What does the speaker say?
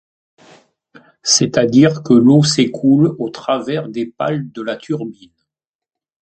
C'est-à-dire que l'eau s'écoule au travers des pales de la turbine.